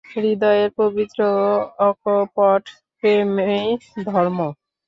হৃদয়ের পবিত্র ও অকপট প্রেমেই ধর্ম।